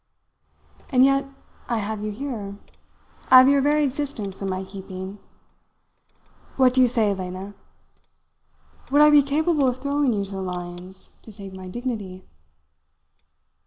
And yet I have you here. I have your very existence in my keeping. What do you say, Lena? Would I be capable of throwing you to the lions to save my dignity?"